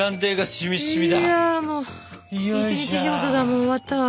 もう終わったわ。